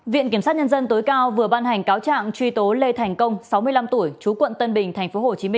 viện kiểm sát nhân dân tối cao vừa ban hành cáo trạng truy tố lê thành công sáu mươi năm tuổi chú quận tân bình tp hcm